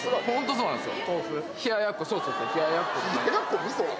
そうなんですよ！